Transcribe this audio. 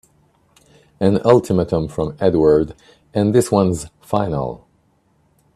An ultimatum from Edward and this one's final!